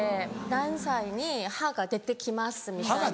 何歳に歯が出て来ますみたいな。